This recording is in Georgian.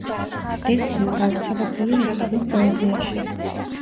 დეციმა გავრცელებულია ესპანურ პოეზიაში.